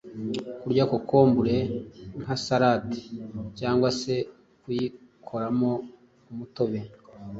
Kurya kokombure nka salade cg se kuyikoramo umutobe,